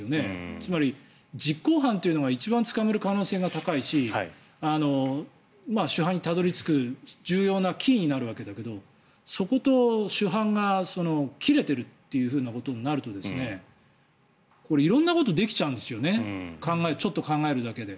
つまり、実行犯というのが一番捕まる可能性が高いし主犯にたどり着く重要なキーになるわけだけどそこと主犯が切れてるってことになると色んなことができちゃうんですよねちょっと考えるだけで。